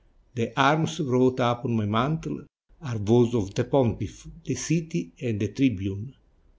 The arms wrought upon my mantle are those of the pontiff, the city, and the tribune."